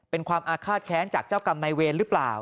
เป็นความอาฆาตแค้นจากเจ้ากรรมนายเวรหรือเปล่า